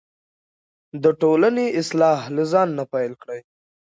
د ټولنې اصلاح له ځانه پیل کړئ.